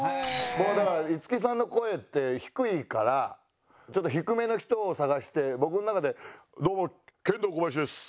僕はだから五木さんの声って低いからちょっと低めの人を探して僕の中でどうもケンドーコバヤシです。